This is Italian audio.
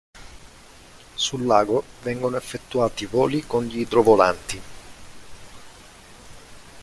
Sul lago vengono effettuati voli con gli idrovolanti.